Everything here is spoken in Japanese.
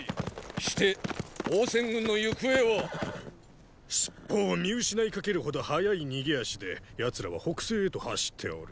して王翦軍の行方は？しっぽを見失いかけるほど早い逃げ足で奴らは北西へと走っておル。